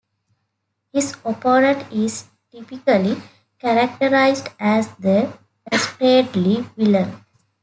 His opponent is typically characterized as the dastardly villain.